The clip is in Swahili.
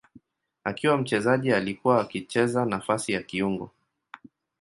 Akiwa mchezaji alikuwa akicheza nafasi ya kiungo.